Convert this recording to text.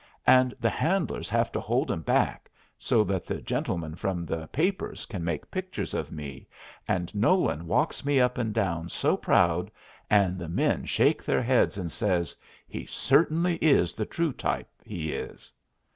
And the handlers have to hold 'em back so that the gentlemen from the papers can make pictures of me, and Nolan walks me up and down so proud, and the men shake their heads and says, "He certainly is the true type, he is!"